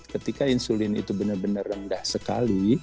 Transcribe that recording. ketika insulin itu benar benar rendah sekali